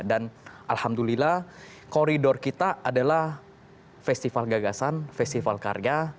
dan alhamdulillah koridor kita adalah festival gagasan festival karga